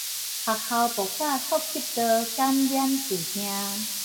學校爆發呼吸道感染事件